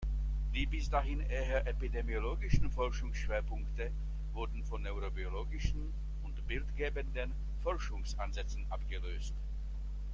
Die bis dahin eher epidemiologischen Forschungsschwerpunkte wurden von neurobiologischen und bildgebenden Forschungsansätzen abgelöst.